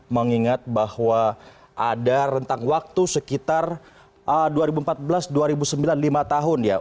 mengingat bahwa ada rentang waktu sekitar dua ribu empat belas dua ribu sembilan lima tahun ya